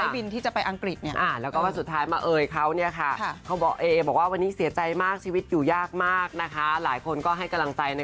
บางคนบอกว่ามันเหมือนตกหัวแล้วรูปหลังนะ